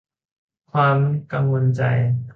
ความกังวลใจ